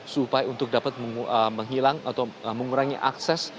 supaya untuk dapat menghilang atau mengurangi akses